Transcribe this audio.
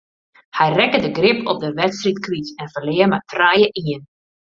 Hy rekke de grip op de wedstryd kwyt en ferlear mei trije ien.